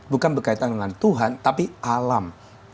bukan berkaitan dengan tuhan tapi alam